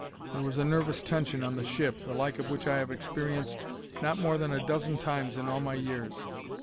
There was a nervous tension on the ship, the like of which I have experienced not more than a dozen times in all my years.